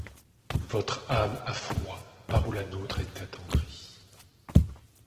Votre âme a froid par où la nôtre est attendrie ;